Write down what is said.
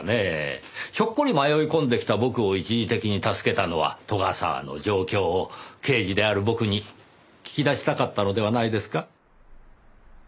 ひょっこり迷い込んできた僕を一時的に助けたのは斗ヶ沢の状況を刑事である僕に聞き出したかったのではないですか？